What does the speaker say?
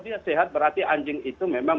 dia sehat berarti anjing itu memang